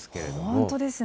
本当ですね。